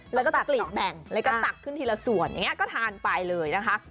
แล้วก็จะกลีบแบ่งแล้วก็ตักขึ้นทีละส่วนอย่างนี้ก็ทานไปเลยนะคะ